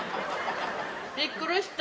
びっくりした。